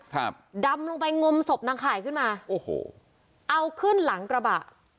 ครับดำลงไปงมศพนางข่ายขึ้นมาโอ้โหเอาขึ้นหลังกระบะ